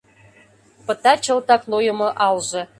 Пыта чылтак нойымо алже.